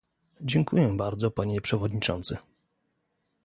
Dziękuję bardzo panie przewodniczący!